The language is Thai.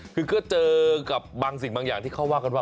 คือก็เจอกับบางสิ่งบางอย่างที่เขาว่ากันว่า